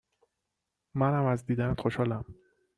من هم از دیدنت خوشحالم